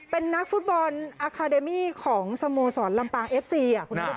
เป็นนักฟุตบอลอาคาเดมี่ของสโมสรลำปางเอฟซี